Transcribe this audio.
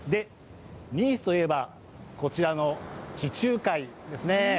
ニースといえば、こちらの地中海ですね。